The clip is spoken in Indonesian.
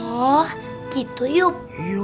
oh gitu yuk